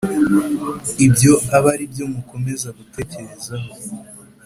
Ibyo abe ari byo mukomeza gutekerezaho